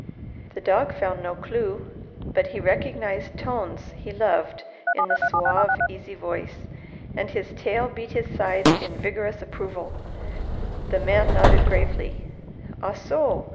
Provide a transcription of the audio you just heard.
The dog found no clew, but he recognized tones he loved in the suave, easy voice, and his tail beat his sides in vigorous approval. The man nodded gravely. "Ah, so!